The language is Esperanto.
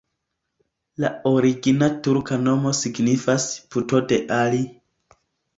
La origina turka nomo signifas: puto de Ali.